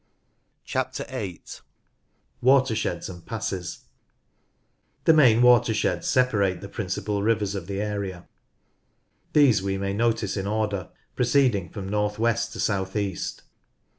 8. Watersheds and Passes. The main watersheds separate the principal rivers of the area ; these we may notice in order, proceeding from north west to south east.